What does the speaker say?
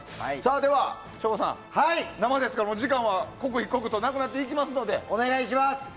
では、省吾さん生ですから時間は刻一刻となくなっていきますので。